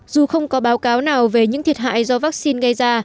dù không có báo cáo nào về những thiệt hại do vắc xin gây ra